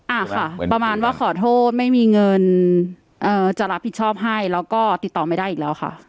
อ่าค่ะประมาณว่าขอโทษไม่มีเงินเอ่อจะรับผิดชอบให้แล้วก็ติดต่อไม่ได้อีกแล้วค่ะ